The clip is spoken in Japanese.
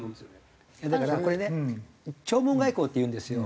いやだからこれね弔問外交っていうんですよ。